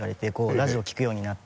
ラジオを聞くようになって。